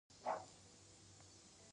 د جمعې په ورځ د میلو ځایونو ته تګ دود دی.